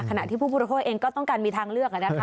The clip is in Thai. ขณะที่ผู้โปรโภยเองก็ต้องการมีทางเลือกค่ะนะคะ